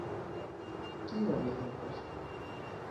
Kiu alia helpos?